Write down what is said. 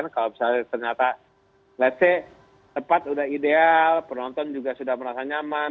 kalau misalnya ternyata let's say tempat sudah ideal penonton juga sudah merasa nyaman